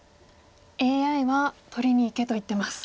ＡＩは取りにいけと言ってます。